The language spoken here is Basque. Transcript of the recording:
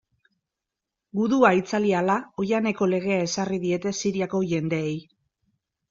Gudua itzali ahala, oihaneko legea ezarri diete Siriako jendeei.